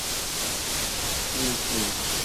硬諍